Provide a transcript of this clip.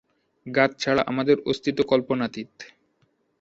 গাছ ছাড়া আমাদের অস্তিত্ব কল্পনাতীত।